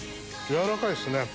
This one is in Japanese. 軟らかいですね。